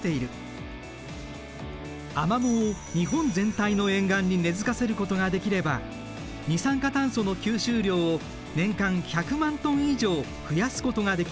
アマモを日本全体の沿岸に根づかせることができれば二酸化炭素の吸収量を年間１００万トン以上増やすことができるという。